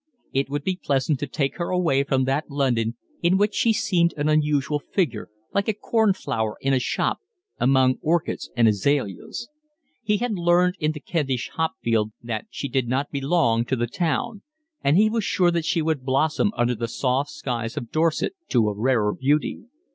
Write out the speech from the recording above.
It would be pleasant to take her away from that London in which she seemed an unusual figure, like a cornflower in a shop among orchids and azaleas; he had learned in the Kentish hop field that she did not belong to the town; and he was sure that she would blossom under the soft skies of Dorset to a rarer beauty.